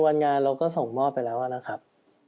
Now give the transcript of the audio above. วันงานเราก็ส่งมอบไปแล้วนะครับ